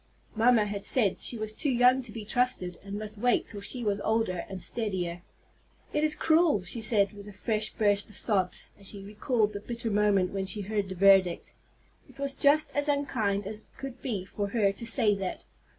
Mamma had said she was too young to be trusted, and must wait till she was older and steadier. "It is cruel!" she said with a fresh burst of sobs, as she recalled the bitter moment when she heard the verdict. "It was just as unkind as could be for her to say that.